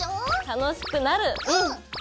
楽しくなるうん！